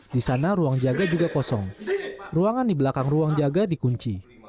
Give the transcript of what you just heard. di sana ruang jaga juga kosong ruangan di belakang ruang jaga dikunci